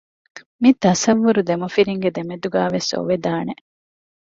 މި ތަޞައްވުރު ދެމަފިންގެ ދެމެދުގައި ވެސް އޮވެދާނެ